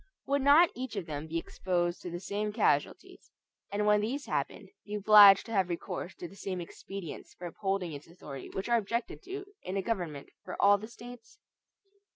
Would not each of them be exposed to the same casualties; and when these happened, be obliged to have recourse to the same expedients for upholding its authority which are objected to in a government for all the States?